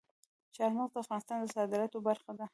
چار مغز د افغانستان د صادراتو برخه ده.